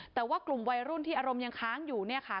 แต่ว่ากลุ่มวัยรุ่นที่อารมณ์ยังค้างอยู่เนี่ยค่ะ